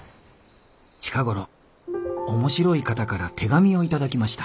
近頃面白い方から手紙を頂きました。